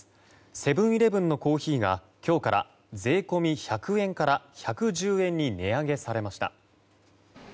セブン‐イレブンのコーヒーが今日から税込み１００円から１１０円に値上げされました。